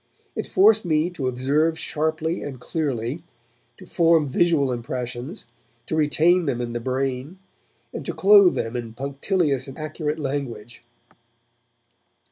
It forced me to observe sharply and clearly, to form visual impressions, to retain them in the brain, and to clothe them in punctilious and accurate language.